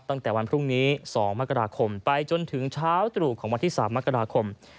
ตั้งแต่วันพรุ่งนี้๒มไปจนถึงเช้าตรุของวันที่๓ม